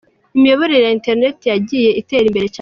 Imiyoboro ya Internet yagiye itera imbere cyane.